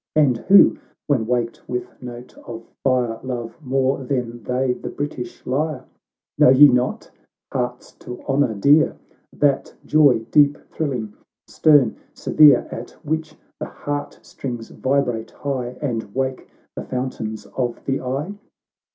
And who, when waked with note of fire, Love more than they the British lyre ?— Know ye not, — hearts to honour dear ! That joy, deep thrilling, stern, severe, At which the heart strings vibrate high, And wake the fountains of the eye